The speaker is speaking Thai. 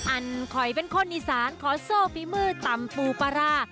อันคอยเป็นคนอีสานขอโซ่ฝีมือตำปูปลาร้า